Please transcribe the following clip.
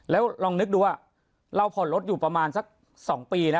แล้วลองนึกดูว่าเราผ่อนรถอยู่ประมาณสัก๒ปีนะ